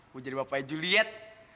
gue jadi bapaknya juliet